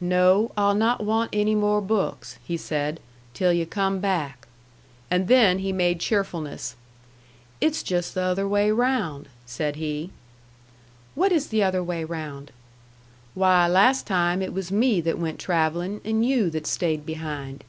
"No, I'll not want any more books," he said, "till yu' come back." And then he made cheerfulness. "It's just the other way round!" said he. "What is the other way round?" "Why, last time it was me that went travelling, and you that stayed behind."